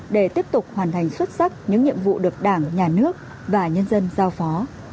để tiếp tục hoàn thành xuất sắc những nhiệm vụ được đảng nhà nước và nhân dân giao phó